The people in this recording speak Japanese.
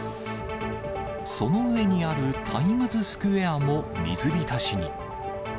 その上にあるタイムズスクエアも水浸しに。